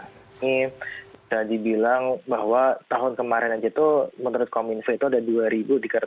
ini sudah dibilang bahwa tahun kemarin aja itu menurut kemenkon ivo itu ada dua tiga ratus empat puluh enam